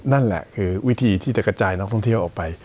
นั่นแหละคือวิธีที่จะกระจายนักท่องเที่ยวออกไป